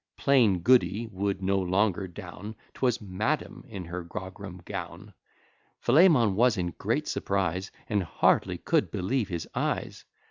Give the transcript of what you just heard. "Plain Goody" would no longer down, 'Twas "Madam," in her grogram gown. Philemon was in great surprise, And hardly could believe his eyes.